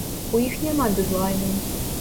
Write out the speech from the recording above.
У іх няма дэдлайну.